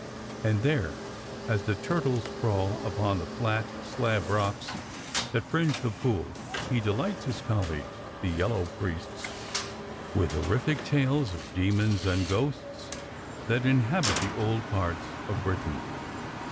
And there, as the turtles crawl upon the flat slab rocks that fringe the pool, he delights his colleagues, the yel low priests, with horrific tales of demons and ghosts that inhabit the old parts of Britain.